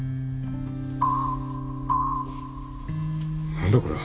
何だこれは。